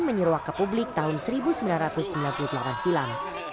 menyeruak ke publik tahun seribu sembilan ratus sembilan puluh delapan silam